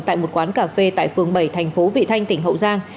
tại một quán cà phê tại phường bảy thành phố vị thanh tỉnh hậu giang